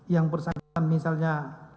yang bersangkutan misalnya